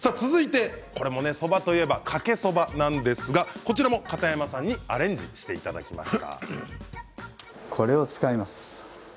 そばといえばかけそばなんですがこちらも片山さんにアレンジしていただきました。